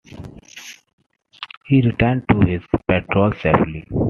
He returned to his patrol safely.